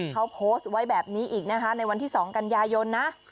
เขาโพสต์ไว้แบบนี้อีกนะคะในวันที่๒กันยายนนะ